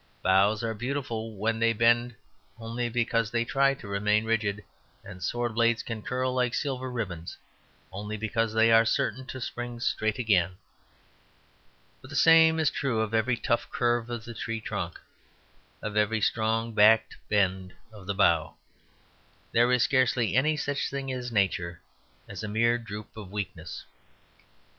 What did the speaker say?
Bows arc beautiful when they bend only because they try to remain rigid; and sword blades can curl like silver ribbons only because they are certain to spring straight again. But the same is true of every tough curve of the tree trunk, of every strong backed bend of the bough; there is hardly any such thing in Nature as a mere droop of weakness.